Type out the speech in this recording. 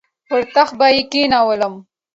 پر تخت به یې کښېنوم.